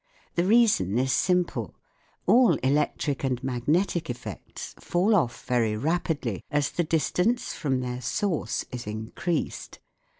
The reason is simple : all electric and niai^iH'tic effects fall off very rapidly as the distance from their source is in creased.